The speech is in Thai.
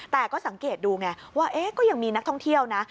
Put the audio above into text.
แต่ก็สังเกตดูไงว่าก็ยังมีนักท่องเที่ยวนะ